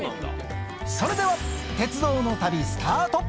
それでは鉄道の旅、スタート。